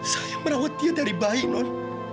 saya yang merawat dia dari bayi non